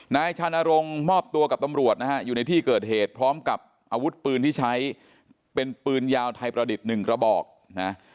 นายชานรงค์มอบตัวกับตำรวจนะฮะอยู่ในที่เกิดเหตุพร้อมกับอาวุธปืนที่ใช้เป็นปืนยาวไทยประดิษฐ์หนึ่งกระบอกนะ